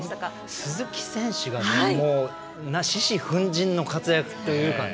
鈴木選手はもう獅子奮迅の活躍というかね。